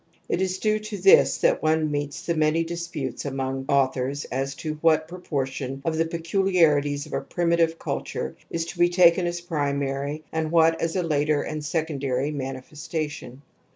It is due to this that one meets the many disputes among authors as to what proportion of the peculiarities of a primitive culture is to be taken as a primary, and what as a later and secondary manifestation.